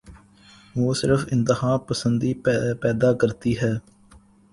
وہ صرف انتہا پسندی پیدا کرتی ہے۔